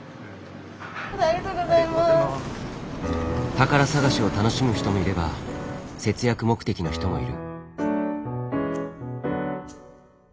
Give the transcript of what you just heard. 宝探しを楽しむ人もいれば節約目的の人もいる。